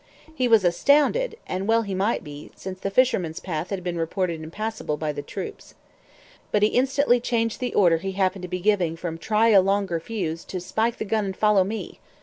He was astounded; and well he might be, since the fisherman's path had been reported impassable by troops. But he instantly changed the order he happened to be giving from 'Try a longer fuse!' to 'Spike the gun and follow me!'